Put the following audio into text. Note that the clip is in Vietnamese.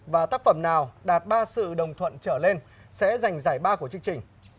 và tác phẩm nào đạt ba sự đồng thuận trở lên sẽ giành giải ba của chương trình